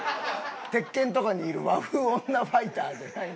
『鉄拳』とかにいる和風女ファイターで。